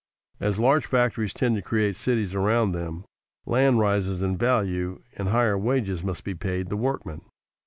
As large factories tend to create cities around them, land rises in value and higher wages must be paid the workmen.